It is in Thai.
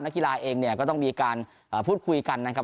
กีฬาเองเนี่ยก็ต้องมีการพูดคุยกันนะครับ